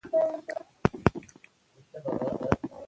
که ته له خپل دریځه واوښتې د خلکو پر وړاندې